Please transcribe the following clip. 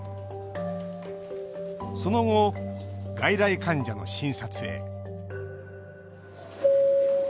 その後、外来患者の診察へ。